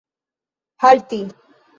halti